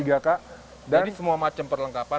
jadi semua macam perlengkapan